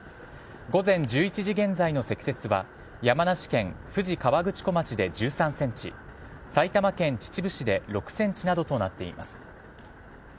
午前１１時現在の積雪は山梨県富士河口湖町で１３ｃｍ埼玉県秩父市で６ｃｍなどとなっています。